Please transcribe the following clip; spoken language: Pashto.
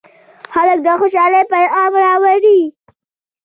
هلک د خوشالۍ پېغام راوړي.